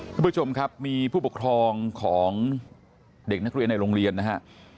คุณผู้ชมครับมีผู้ปกครองของเด็กนักเรียนในโรงเรียนนะฮะ